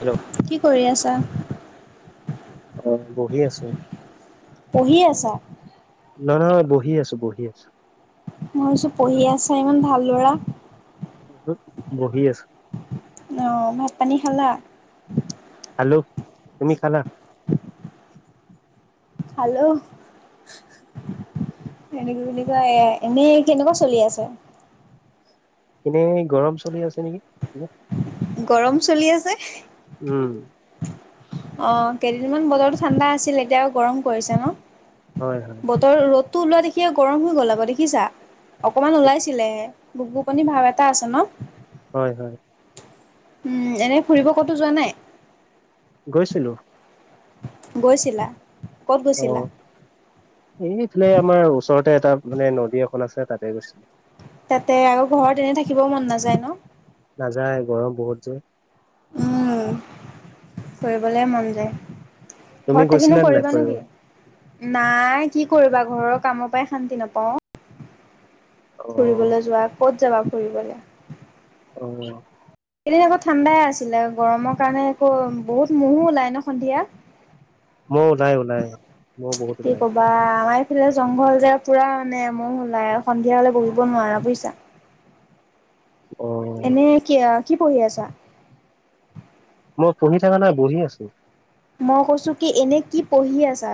Hello কি কৰি আছা? অ বহি আছো। পঢ়িয়ে আছা ন ন বহি আছো বহি আছো। মই ভাবিছো পঢ়ি আছা ইমান ভাল ল'ৰা। বহি আছো আহ ভাত পানী খালা? খালো তুমি খালা হেল্ল' এনেকে বুলি কয় এনেই কেনেকুৱা চলি আছে এনে গৰম চলি আছে নেকি গৰম চলি আছে উম অ কেইদিনমান বজৰতো ঠাণ্ডা আছিল এতিয়া গৰম পৰিছে ন হয় হয় বতৰ ৰ'দটো ওলোৱা দেখি গৰম হৈ গ'ল আকৌ দেখিছা অকমান ওলাইছিলেহে গুপ গুপনি ভাৱ এটা আছে ন। হয় হয় উম এনে ফুৰিব ক'তো যোৱা নাই? গৈছিলো গৈছিলা ক'ত অ গৈছিলা? এইফালে আমাৰ ওচৰতে এটা মানে নদী এখন আছে তাতে গৈছো। তাতে আৰুক ঘৰত এনে থাকিবও মন নাযায় ন নাযায় গৰম বহুত যে। উম ফুৰিবলে মন যায়। তুমি ঘৰত থাকিনো গৈছিলা নে নাই কৰিবা নো ফুৰিব কি? নাই কি কৰিবা ঘৰ কামৰ পৰাই শান্তি নাপাওঁ অ ফুৰিবলৈ যোৱা ক'ত যাবা ফুৰিবলে? অ। এদিন আকৌ ঠাণ্ডাই আছিলে গৰমৰ কাৰণে আকৌ বহুত মহো ওলাই ন সন্ধিয়া। মই ওলাই ওলাই মই বহুত কি ওলাই কবা আমাৰ এইফালে জংঘল যে পুৰা মানে ম ওলাই আৰু সন্ধিয়া হলে বহিব নোৱাৰা বুজিছা [unintelligible] অ এনে কি কি পঢ়ি আছা মই পঢ়ি থকা নাই বহি আছো। মই কৈছোঁ কি এনে কি পঢ়ি আছা?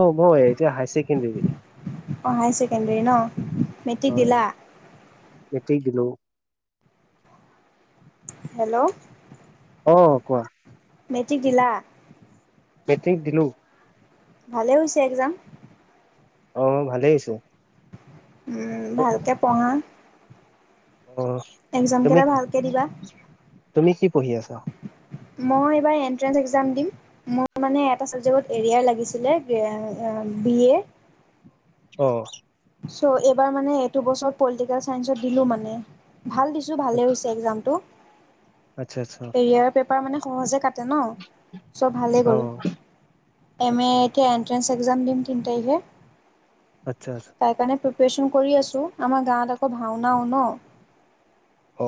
অ মই এতিয়া হায় চেকেণ্ডৰী অঁ হায়াৰ ছেকেণ্ডৰী ন? মেট্ৰিক দিলা? এতেই কিলো হেল্ল' আহ কোৱা? মেট্ৰিক দিলা? মেট্ৰিক দিলো। ভালে হৈছে একজাম অ ভালেইআছো। ভালকে পঢ়া [unintelligible] অ তুমি এক্জামকেইটা ভালকে দিবা তুমি কি পঢ়ি আছা? মই এইবাৰ এন্ট্ৰেন্ঞ্চ এক্সাম দিম মোৰ মানে এটা ছাবজেক্টত এৰিয়াৰ লাগিছিলে। [inaudible] বি এ অ। চ' এইবাৰ মানে এইটো বছৰত পলিটিকেল চাইন্সত দিলোঁ মানে। ভাল দিছোঁ ভালেই হৈছে এক্জামটো। আচ্ছা আচ্ছা কেৰিয়াৰৰ পেপাৰ মানে সহজে কাটে ন চব ভালেই অ গ'ল। এম এ আচ্ছা এতিয়া এণ্ট্ৰেন্স এক্সাম দিম তিন তাৰিখে। আচ্ছা আচ্ছা তাৰ কাৰণে প্ৰি পেৰেচন কৰি আছোঁ আমাৰ গাঁৱত আকৌ ভাওনাও ন। অ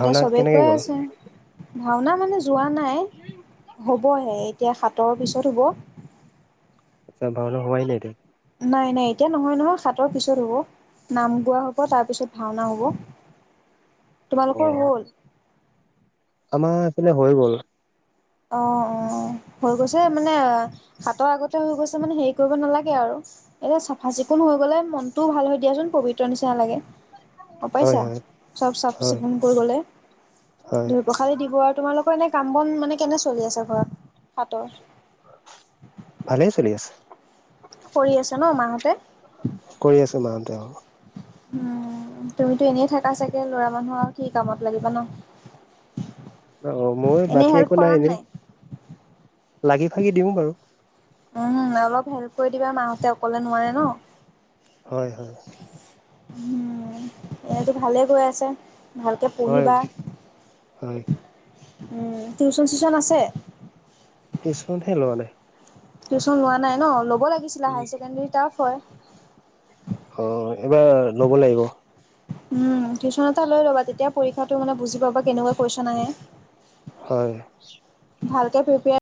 এতিয়া চবে কেনেকে কৈ গ'ল আছে ভাওনা মানে যোৱা নাই হ'বহে। এতিয়া সাতৰ পিছত হ'ব। আচ্ছা ভাওনা হোৱাই নাই এতিয়া? নাই নাই এতিয়া নহয় নহয় সাতৰ পিছত হ'ব। নাম গোৱা হ'ব, তাৰপিছত ভাওনা হ'ব। অ তোমালোকৰ হল? আমাৰ এইপিনে হৈ গ'ল। অঁ অঁ হৈ গৈছে মানে হাটৰ আগতে হৈ গৈছে মানে হেৰি কৰিব নালাগে আৰু। এতিয়া চাফা-চিকুণ হৈ গ'লে মনটোও ভাল হৈ দিয়াচোন পবিত্ৰ নিচিনা লাগে। অ হয় পাইছা হয় চব চাফ- হয় চিকুণ কৰি গলে, হয় ধুই পখালি দিব আৰু তোমালোক এনে কাম বন মানে কেনে চলি আছে ঘৰত হাতৰ? ভালেই চলি আছে। কৰি আছে ন মাহঁতে কৰি আছে মাহতে। উম তুমিতো এনে থাকা চাগে লৰা মানুহ আও কি কামত লাগিবা ন? অ মোৰ এনেই বাকী হেল্প একো কৰা এনেই নাই? লাগি ভাগি দিওঁ বাৰু। উম অলপ হেল্প কৰি দিবা মাহঁতে অকলে নোৱাৰে ন। হয় হয় এনেতো ভালেই গৈ আছে, ভালকে হয় পঢ়িবা। হয় উম! টিউচন চিউচন আছে? টিউশ্যন হে লোৱা নাই। টিউচন লোৱা নাই ন, ল'ব লাগিছিলে, হায় ছেকেণ্ডেৰী টাফ হয়। অ এইবাৰ লব লাগিব। উ টিউচন এটা লৈ ল'বা, তেতিয়া পৰীক্ষাটো মানে বুজি পাবা কেনেকুৱা কুৱেশন আহে। হয়। ভালকে প্ৰিপেয়াৰ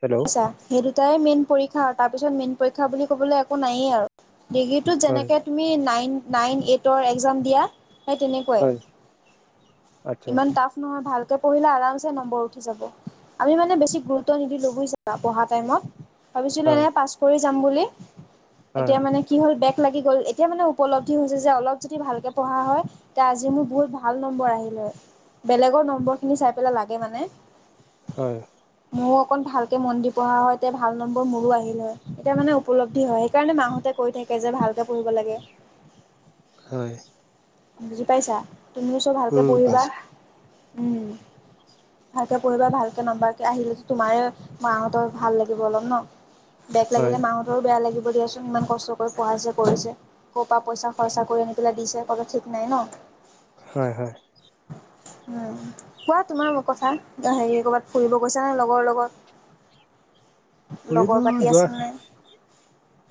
হেল্ল' আচ্ছা সেই দুটাই মেইন পৰীক্ষা তাৰপিছত মেইন পৰীক্ষা বুলি ক'বলৈ একো নায়েই আৰু ডিগ্ৰীটোত হয় যেনেকৈ তুমি নাইন নাইন এইটৰ এক্সাম দিয়া। সেই তেনেকোৱাই। হয় আচ্ছা ইমান টাফ নহয় ভাল তহ পঢ়িলে আৰামচে নম্বৰ উঠি যাব। আমি মানে বেছি গুৰুত্ব নিদিলো বুজিছা পঢ়া টাইমত। ভাবিছিলো হয় এনে পাছ কৰি যাম বুলি। হয় এতিয়া মানে কি হল বেগ লাগি গ'ল এতিয়া মানে উপলব্ধি হৈছে যে অলপ যদি ভালকৈ পঢ়া হয়। তেতিয়া আজি মোৰ বহুত ভাল নম্বৰ আহিল হয় বেলেগৰ নম্বৰখিনি চাই পেলাই লাগে মানে হয়। মোৰ অকণ ভাল কে মন দি পঢ়া হয় তেতিয়া ভাল নম্বৰ মোৰো আহিল হয়। এতিয়া মানে উপলব্ধি হয়। সেইকাৰণে মাহঁতে কৈ থাকে যে ভাল কে পঢ়িব লাগে। হয়। বুজি পাইছা? তুমিও চো ভালকে উম পঢ়িবা। পাইছো উম ভালকে পঢ়িবা ভালকে নাম্বাৰ আহিলেতো তোমাৰেই মাহতৰ ভাল লাগিব অলপ ন? বেগ হয় লাগিলে মাহতৰো বেয়া লাগি ব দিয়াচোন ইমান কষ্ট কৰি পঢ়াইছে পঢ়িছে কৰপা পইচা খৰচা কৰি আনি পেলাই দিছে। কোনো ঠিক নাই ন? হয় হয় উম কোৱা তোমাৰ কথা হেৰি কৰবাত ফুৰিব গৈছা নে লগৰ লগত? [inaudible] ফুৰিব লগৰ পাতি যোৱা আছে নে?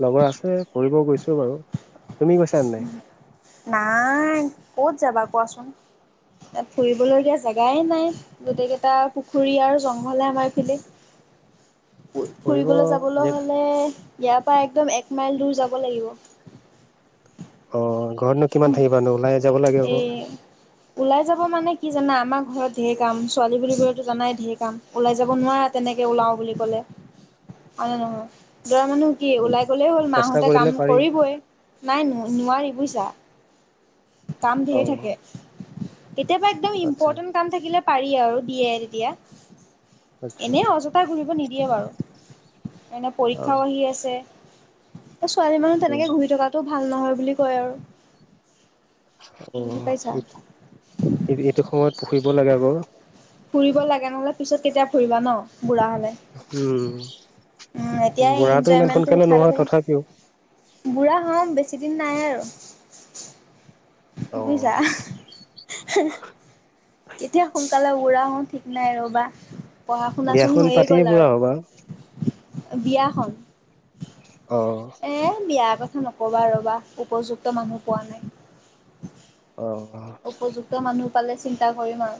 লগৰ আছে ফুৰিব গৈছো বাৰু তুমি গৈছা নাই। নাই ক'ত যাবা কোৱাচোন? ফুৰিবলগীয়া জেগাই নাই গোটেইকেইটা পুখুৰী আৰু জংঘলে আমাৰ পিনে [inaudible] ফুৰিব ফুৰিবলৈ যাবলৈ যে হলে ইয়াৰ পৰা একদম এক মাইল দূৰ যাব লাগিব। অ ঘৰত নো কিমান থাকিবা নো ওলাই যাব লাগে আক'? এই ওলাই যাব মানে কি জানা আমাৰ ঘৰত ঢেৰ কাম ছোৱালী বুলি কলেতো জানাই ঢেৰ কাম ওলাই যাব নোৱাৰা তেনে কে উলাও বুলি ক'লে, হয় নে নহয়। ল'ৰা মানুহ কি উম ওলাই গ'লেই হ'ল চেষ্টা মাহঁতে কাম কৰিলে পাৰি কৰিবই। নাই নোৱাৰি বুইছা কাম অ ধেৰ থাকে। কেতিয়াবা একদম আচ্ছা ইম্পৰ্টেণ্ট কাম থাকিলে পাৰি আৰু দিয়ে তেতিয়া। আচ্ছা এনে অযথা ঘূৰিব নিদিয়ে বাৰু এনে অ পৰীক্ষাও আহি আছে ছোৱালী মানুহ তেনেকে ঘূৰি থকাটো ভাল নহয় বুলি কয় আৰু। বুজি অঁহ পাইছা এইটো সময়ত পঢ়িব লাগে আক'? ফুৰিব লাগে নহ'লে পিছত কেতিয়া ফুৰিবা ন? বুঢ়া হলে। উম উম এতিয়াই বুঢ়াটো ইমান এনজয়মেন্টটো সোনকালে উঠাই নহয় লব তথাপিও লা বুঢ়া হম বেছিদিন নাই আৰু। অ বুইজা কেতিয়া শু সোনকালে বুঢ়া হম ঠিক নাই ৰ'বা, পঢ়া শুনা চোন বিয়াখন হৈয়ে পাতিয়ে গ'ল বুঢ়া হবা আৰু। বিয়াখন? অ এ বিয়াৰ কথা নকবা ৰ'বা উপযুক্ত মানুহ পোৱা নাই। অ উপযুক্ত মানুহ পালে চিন্তা কৰিম আৰু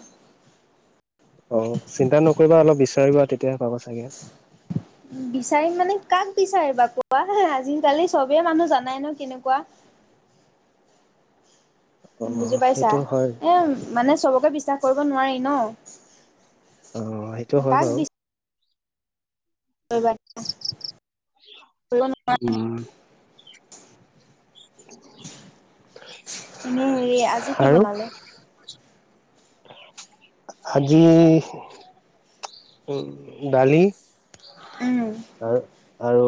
অঁহ চিন্তা নকৰিবা, অলপ বিচাৰিবা তেতিয়া বিচাৰিম মানে কাক বিছাৰিবা কোৱা আজিকালি চবে মানুহ জানাই নহয় কেনেকোৱা [inaudible] বুজি পাইছা সেইটো হয় এ মানে চবকে বিশ্বাস কৰিব নোৱাৰি ন? অ সেইটো হয় কাক বাৰু। [unintelligible] কৰিব নোৱাৰা উম। এনে হেৰি আজি কি আৰু বনালে? আজি উম ডালি। উম আৰু আৰু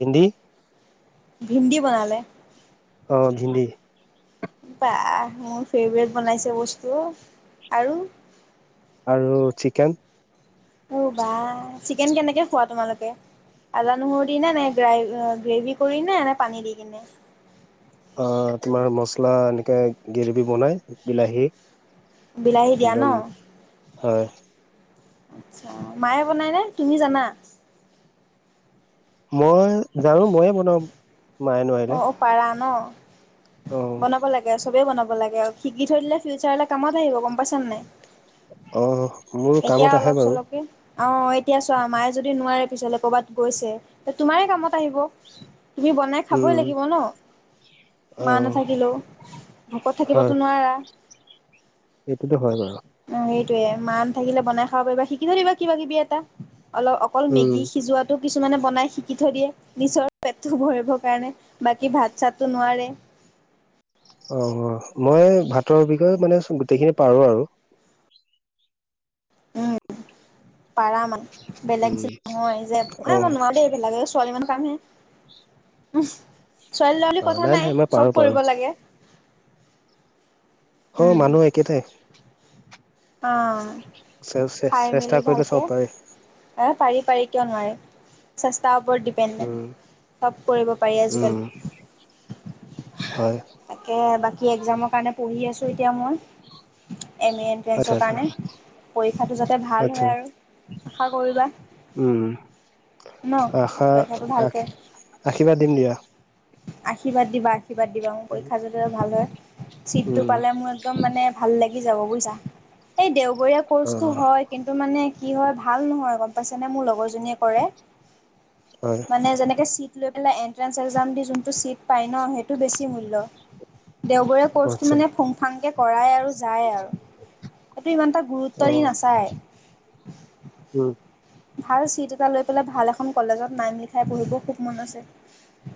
ভেন্দী। ভিন্দী বনালে। অ ভিন্দী। বাহ মোৰ ফেভৰেট বনাইছে বস্তু আৰু? আৰু চিকেন। অ বাহ! চিকেন কেনেকে খোৱা তোমালোকে? আদা নহৰু দি ন নে গ গ্ৰেভী কৰি ন নে পানী দি কিনে? অ তোমাৰ মছলা এনেকে গ্ৰভী বনাই বিলাহী বিলাহী দিয়া ন। একদম হয়। আচ্ছা মায়ে বনাইনে তুমি জানা? মই জানো মইয়ে বনাম। অ অ পাৰা ন অ বনাব লাগে আচলতে সবে বনাব লাগে আৰু শিকি থৈ দিলে ফিউচাৰলে কামত আহিব গম পাইছা নে নাই। অ মোৰো এতিয়া কামত অলপ আহে বাৰু চলপকে অ এতিয়া চোৱা মায়ে যদি নোৱাৰে পিছলে কৰবাত গৈছে তোমাৰে কামত আহিব। তুমি বনাই উম খাবই লাগিব ন। অ মা নাথাকিলেও ভোকত হয় থাকিবতো নোৱাৰা। এইটোতো হয় বাৰু। সেইটয়ে মা থাকিলে বনাই খাব পাৰিবা শিকি থিয়দিবা কিবা কিবি এটা। অলপ অকল উম মেগী সিজোৱাটো কিছু কিছুমানে বনাই শিকি থৈ দিয়ে নিজৰ পেটটো ভৰিবৰ কাৰণে বাকী ভাত চাতটো নোৱাৰে। অ মই ভাতৰ বিষয়ে মানে গোটেইখিনি পাৰো আৰু। উম, পাৰা মানে বেলেগ উম নহয় যে অ মই যে নোৱাৰ দেই বেলেগে ছোৱালী মানুহ উ ছোৱালী ল'ৰা বুলি অ কথা নাই মই পাৰো চব পাৰো কৰিব লাগে। অ উম, মানুহ একেটাই। অ খাই চেষ্টা মেলি কৰিলে চব ভালকে পাৰি আৰু পাৰি পাৰি কিয় নোৱাৰে। চেষ্টাৰ ওপৰত উম ডিপেণ্ডেণ্ট চব কৰিব পাৰি উম আজিকালি। হয়। তাকে বাকী এক্জামৰ কাৰণে পঢ়ি আছোঁ এতিয়া মই। এম এ আচ্ছা এণ্ট্ৰেঞ্চৰ আচ্ছা কাৰণে পৰীক্ষাটো যাতে ভাল আচ্ছা হয় আৰু। আশা কৰিবা। উম ন আশা পইচাটো ভালকে। আশ- আশীৰ্বাদ দিম দিয়া আশীৰ্বাদ দিবা আশীৰ্বাদ দিবা মোৰ পৰীক্ষা যাতে ভাল হয়। চিটটো উম পালে মোৰ একদম মানে ভাল লাগি যাব বুজিছা এই দেও। বৰীয়া অ ক'ৰ্চটো হয় কিন্তু মানে কি হয় ভাল নহয় গম পাইছেনে মোৰ লগৰজনীয়ে কৰে। হয় মানে যেনেকে চিত পিলাই এন্ত্ৰছেছ এক্সমটো দিছো। জোনটো চিত পাই ন সেইটো বেছি মূল্য দিৱৰিয়া কৰ্চটো আচ্ছা বেছি ফুগ ফাগকে। কৰাই আৰু যায় আও সেইটো ইমানটা গুৰুত্ব অ দি নাচায় [inaudible] উম ভাল চিট এটা লৈ পেলাই ভাল এখন কলেজত নাম লিখাই পঢ়িব খুব মন আছে'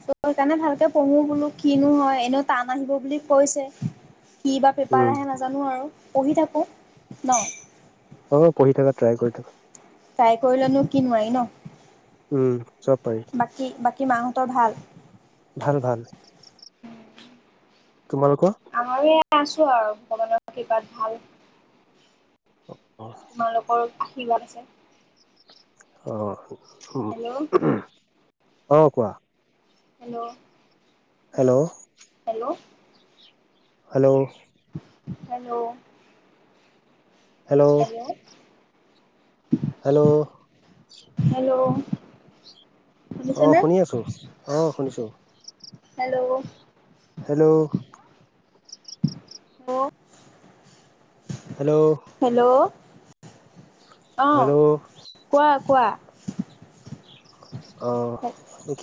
সেইকাৰণে ভাল ভালকে পঢ়ো বোলো কিনো হয় এনেও টান আহিব বুলি কৈছে। কি বা পেপাৰ উম আহে নাজানো আৰু পঢ়ি থাকোঁ ন। অ পঢ়ি থাকা ট্ৰাই কৰি থাকা। তাই কৰিলেনো কি নোৱাৰি ন উম চব পাৰি বাকী বাকী মাহঁতৰ ভাল ভাল ভাল। তোমালোকৰ আমাৰো এ আছো আৰু ভগানৰ কিবাত ভাল অ তোমালোকৰ আশিৰবাদ আছে। অ হেল্ল' অ কোৱা hello hello hello hello hello hello hello hello অ শুনিছেনে শুনি আছোঁ অ শুনিছোঁ। হেল্ল' হেল্ল' ব হেল্ল' হেল্ল' অ হেল্ল' কোৱা কোৱা। অ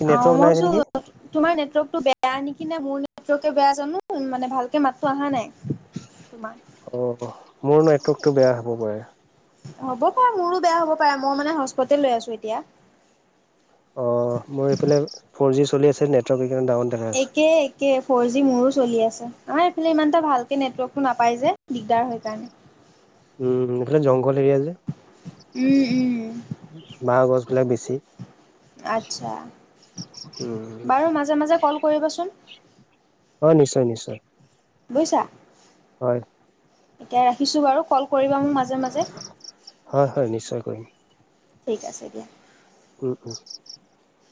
কি নেটৱৰ্ক নাই আছে ভাবিছোঁ নেকি? তোমাৰ নেটৱৰ্কটো বেয়া নেকি নে মোৰ নেটৱৰ্কটোৱে বেয়া জানো মানে ভালকে মাত অহা নাই তোমাৰ অ', মোৰ নেটৱৰ্কটো বেয়া হ'ব পাৰে। হ'ব পাৰে মোৰো বেয়া হ'ব পাৰে মই মানে হস্পতে লৈ আছো এতিয়া। অ মোৰ এইফালে ফৰ জি চলি আছে নেটৱৰ্ক- সেইকাৰণে ডাউন দেখাই আছে। একে একে ফ'ৰ জি মোৰো চলি আছে আমাৰ এইফালে ইমানটা ভালকে নেটৱৰ্কটো নাপাই যে দিগদাৰ হয় কাৰণে উম মুঠতে জংঘল এৰিয়া যে। উম উম বাহ, গছ বিলাক বেছি। আচ্ছা উম, বাৰু মাজে মাজে ক'ল কৰিবচোন। হয় নিশ্চয় নিশ্চয় বুইছা হয়, এতিয়া ৰাখিছো বাৰু কল কৰি বা মোক মাজে মাজে। তই কৰিবি। ঠিক আছে দিয়া। [inaudible]